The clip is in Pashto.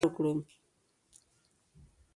موږ باید د اصلاح لپاره کار وکړو.